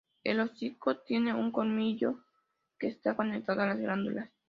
El hocico tiene un colmillo que está conectado a las glándulas.